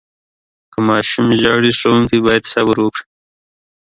که ماشوم ژاړي، ښوونکي باید صبر وکړي.